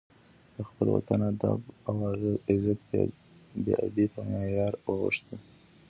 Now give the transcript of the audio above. د خپل وطن د آب او عزت بې ابۍ په معیار اوښتی.